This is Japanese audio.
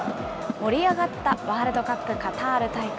盛り上がったワールドカップカタール大会。